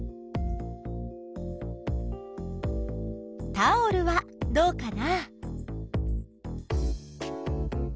タオルはどうかな？